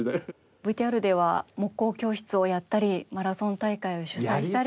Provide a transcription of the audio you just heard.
ＶＴＲでは木工教室をやったりマラソン大会を主催したり。